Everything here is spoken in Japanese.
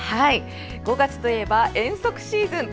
５月といえば遠足シーズン。